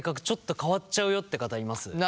ちょっと変わっちゃうよって方います？